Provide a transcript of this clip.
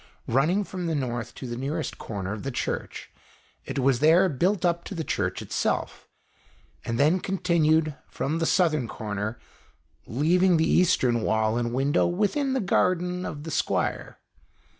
Running from the north to the nearest corner of the Church, it was there built up to the Church itself, and then continued from the southern corner, leaving the Eastern wall and window within the garden of the Squire.